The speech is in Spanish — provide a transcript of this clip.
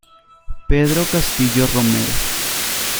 Pedro Castillo Romero.